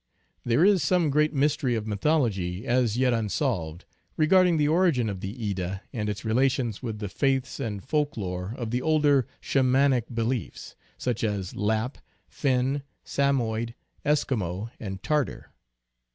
There is some great mystery of mythology, as yet unsolved, regard ing the origin of the Edda and its relations with the faiths and folk lore of the older Shamanic beliefs, such as Lapp, Finn, Samoyed, Eskimo, and Tartar.